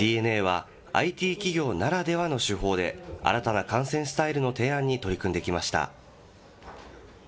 ＤｅＮＡは、ＩＴ企業ならではの手法で、新たな観戦スタイルの提案に取り組んできました。